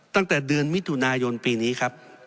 ตั้งแต่เดือนมิถุนายนปีนี้ครับ